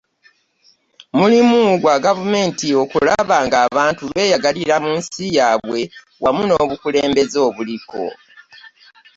mulimu gwa gavumenti okulaba nga abantu beyagalira mu nsi yabwe wamu n'obukulembeze obuliko